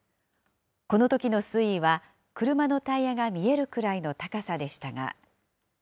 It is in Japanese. このときの水位は、車のタイヤが見えるくらいの高さでしたが。